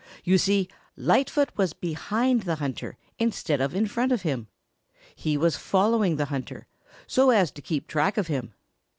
You see, Lightfoot was behind the hunter instead of in front of him. He was following the hunter, so as to keep track of him.